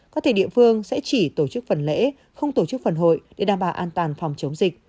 có thể địa phương sẽ chỉ tổ chức phần lễ không tổ chức phần hội để đảm bảo an toàn phòng chống dịch